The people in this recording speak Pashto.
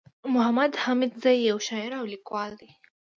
محمود حميدزى يٶ شاعر او ليکوال دئ